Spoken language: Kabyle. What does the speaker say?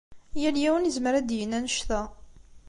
Yal yiwen yezmer ad d-yini anect-a.